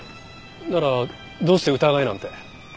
ならどうして疑えなんて。